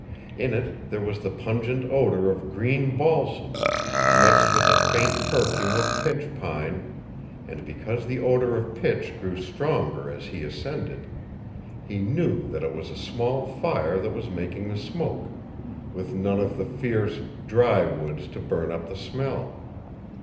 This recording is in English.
In it there was the pungent odor of green balsam, mixed with a faint perfume of pitch pine; and because the odor of pitch grew stronger as he ascended, he knew that it was a small fire that was making the smoke, with none of the fierce, dry woods to burn up the smell.